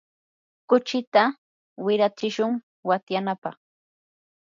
kuchita wirayatsishun watyanapaq.